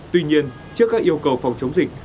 tuy nhiên trước các yêu cầu phòng chống dịch